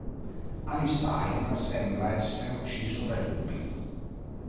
Alistair sembra essere ucciso dai lupi.